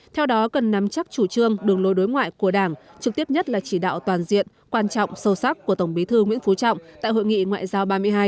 theo đó cần nắm chắc chủ trương đường lối đối ngoại của đảng trực tiếp nhất là chỉ đạo toàn diện quan trọng sâu sắc của tổng bí thư nguyễn phú trọng tại hội nghị ngoại giao ba mươi hai